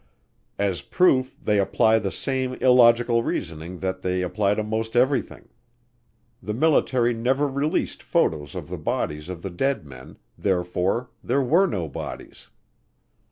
As proof they apply the same illogical reasoning that they apply to most everything. The military never released photos of the bodies of the dead men, therefore there were no bodies.